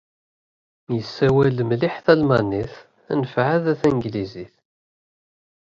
Yessawal mliḥ talmanit, anef ɛad a tanglizit.